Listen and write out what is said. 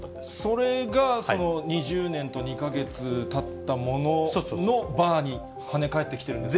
それが２０年と２か月たったもののバーにはね返ってきてるんですよね。